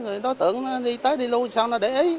rồi nó tưởng nó đi tới đi luôn